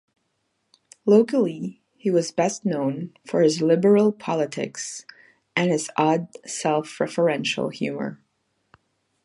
Locally, he was best known for his liberal politics and his odd, self-referential humor.